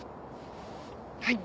はい。